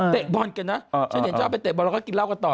บอลกันนะฉันเห็นชอบไปเตะบอลแล้วก็กินเหล้ากันต่อ